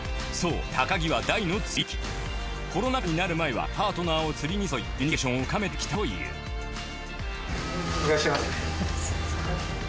コロナ禍になる前はパートナーを釣りに誘いコミュニケーションを深めてきたといういらっしゃいませ。